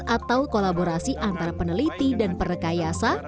atau kolaborasi antara peneliti dan perekayasa